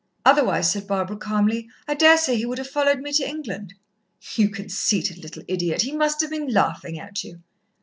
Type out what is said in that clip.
Otherwise," said Barbara calmly, "I daresay he would have followed me to England." "You conceited little idiot! He must have been laughing at you."